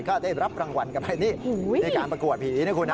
เขาได้รับรางวัลกับอะไรนี้ในการประกวดผีนี้นะคุณฮะ